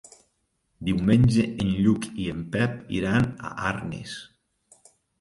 Diumenge en Lluc i en Pep iran a Arnes.